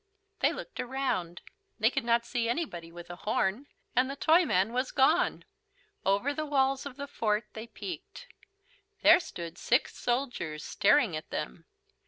They looked around. They could not see anybody with a horn. And the Toyman was gone. Over the walls of the fort they peeked. There stood six soldiers staring at them.